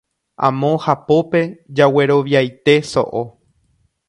amo hapópe jagueroviaite so'o.